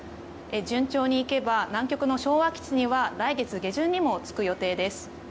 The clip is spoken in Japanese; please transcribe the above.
順調にいけば南極の昭和基地には来月下旬にも着く予定です。